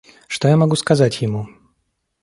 Что я могу сказать ему?